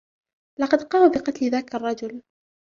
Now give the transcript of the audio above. لقد قام بقتل ذاك الرجل.